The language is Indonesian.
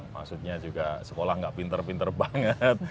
maksudnya juga sekolah nggak pinter pinter banget